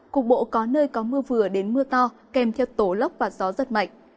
cục bộ có nơi có mưa vừa đến mưa to kèm theo tố lốc và gió giật mạnh